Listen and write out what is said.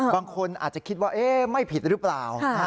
บางคนอาจจะคิดว่าไม่ผิดหรือเปล่า